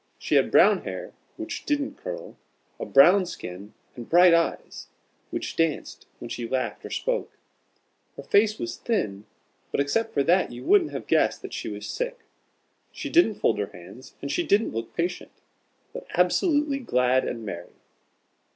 She had brown hair, which didn't curl, a brown skin, and bright eyes, which danced when she laughed or spoke. Her face was thin, but except for that you wouldn't have guessed that she was sick. She didn't fold her hands, and she didn't look patient, but absolutely glad and merry.